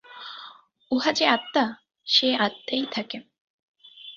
উহা যে আত্মা, সেই আত্মাই থাকে।